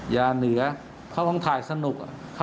ยาเหนือเขาต้องถ่ายสนุก